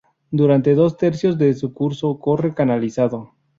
Durante dos tercios de su curso corre canalizado.